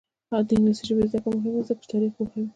د انګلیسي ژبې زده کړه مهمه ده ځکه چې تاریخ پوهوي.